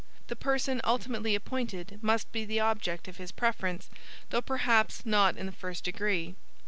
The person ultimately appointed must be the object of his preference, though perhaps not in the first degree.